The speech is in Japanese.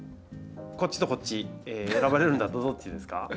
こっちとこっち選ばれるならどっちですか？